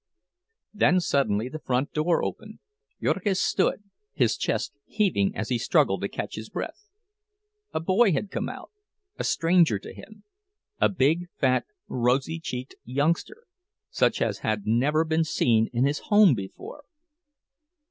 Then suddenly the front door opened. Jurgis stood, his chest heaving as he struggled to catch his breath. A boy had come out, a stranger to him; a big, fat, rosy cheeked youngster, such as had never been seen in his home before.